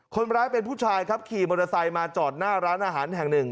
คนร้ายเป็นผู้ชายครับขี่มอเตอร์ไซค์มาจอดหน้าร้านอาหารแห่งหนึ่ง